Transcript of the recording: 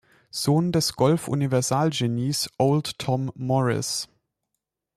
Sohn des Golf-Universalgenies Old Tom Morris.